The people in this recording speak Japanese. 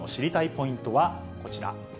ポイントはこちら。